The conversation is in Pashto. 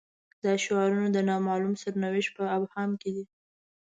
دا شعارونه د نا معلوم سرنوشت په ابهام کې دي.